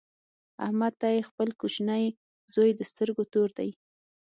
احمد ته یې خپل کوچنۍ زوی د سترګو تور دی.